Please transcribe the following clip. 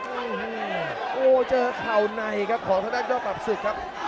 โอ้โหเจอเข่าในครับของทดักรอบกลับศึกครับ